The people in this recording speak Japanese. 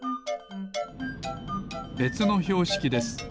べつのひょうしきです。